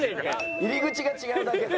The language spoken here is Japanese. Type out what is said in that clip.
入り口が違うだけで。